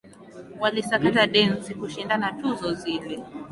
Walisakata densi kushindania tuzo zile